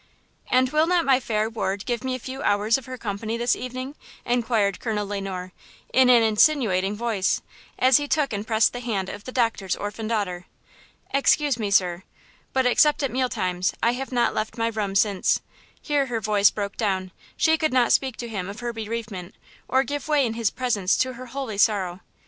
"And will not my fair ward give me a few hours of her company this evening?" inquired Colonel Le Noir in an insinuating voice, as he took and pressed the hand of the doctor's orphan daughter. "Excuse me, sir; but, except at meal times, I have not left my room since"–here her voice broke down; she could not speak to him of her bereavement, or give way in his presence to her holy sorrow.